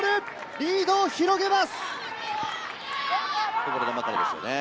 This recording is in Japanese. リードを広げます。